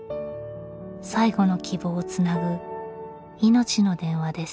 最後の希望をつなぐいのちの電話です。